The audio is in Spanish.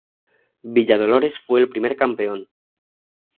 Villa Dolores fue el primer campeón.